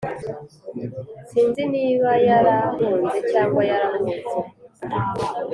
Sinzi niba yarahunze cyangwa yarabunze